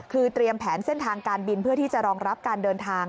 คือเตรียมแผนเส้นทางการบินเพื่อที่จะรองรับการเดินทาง